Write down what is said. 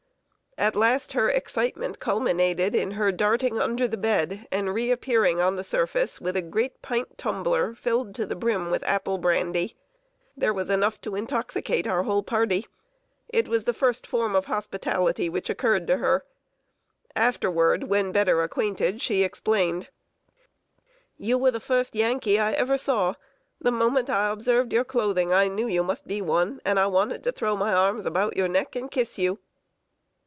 At last her excitement culminated in her darting under the bed, and reappearing on the surface with a great pint tumbler filled to the brim with apple brandy. There was enough to intoxicate our whole party! It was the first form of hospitality which occurred to her. Afterward, when better acquainted, she explained: "You were the first Yankee I ever saw. The moment I observed your clothing, I knew you must be one, and I wanted to throw my arms about your neck, and kiss you!"